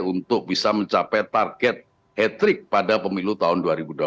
untuk bisa mencapai target hat trick pada pemilu tahun dua ribu dua puluh empat